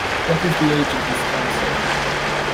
What is the age of this castle?